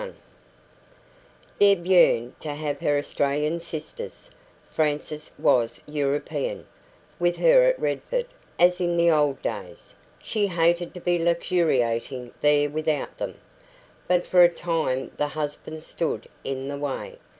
Deb yearned to have her Australian sisters Frances was European with her at Redford, as in the old days; she hated to be luxuriating there without them. But for a time the husbands stood in the way.